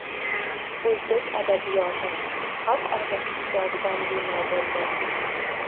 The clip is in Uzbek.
O‘zbek adabiyoti… xalq og‘zaki ijodidan bino bo‘lgan.